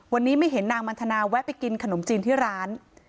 วันนี้ไม่เห็นนางมันทนาแวะไปกินขนมจีนที่ร้าน